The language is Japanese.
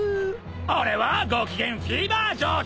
俺はご機嫌フィーバー状態。